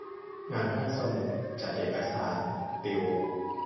งานห้องสมุด จัดเอกสาร ติว